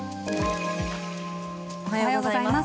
おはようございます。